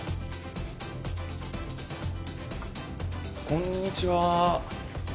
こんにちは。